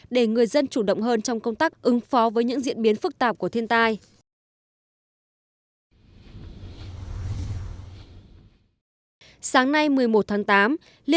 để người dân chủ động hơn trong công tác ứng phó với những diễn biến phức tạp của thiên tai